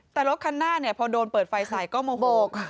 แต่รถคันหน้าเนี่ยพอโดนเปิดไฟใส่ก็โมโห